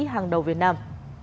hàng đầu việt nam